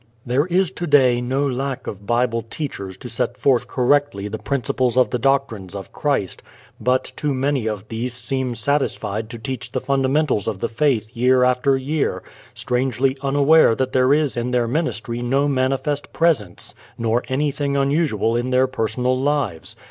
There is today no lack of Bible teachers to set forth correctly the principles of the doctrines of Christ, but too many of these seem satisfied to teach the fundamentals of the faith year after year, strangely unaware that there is in their ministry no manifest Presence, nor anything unusual in their personal lives.